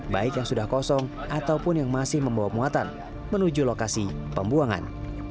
baik yang sudah kosong ataupun yang masih membawa muatan menuju lokasi pembuangan